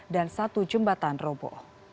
dan satu jembatan robo